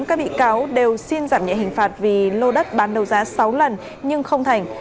các bị cáo đều xin giảm nhẹ hình phạt vì lô đất bán đầu giá sáu lần nhưng không thành